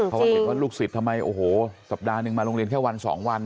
เพราะว่าเห็นว่าลูกศิษย์ทำไมโอ้โหสัปดาห์หนึ่งมาโรงเรียนแค่วันสองวัน